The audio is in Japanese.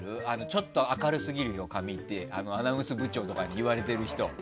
ちょっと明るすぎるよ、髪ってアナウンス部長に言われている人。